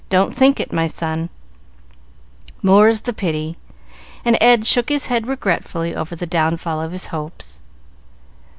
Don't think it, my son. "More's the pity," and Ed shook his head regretfully over the downfall of his hopes.